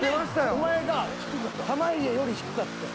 お前が濱家より低かってん。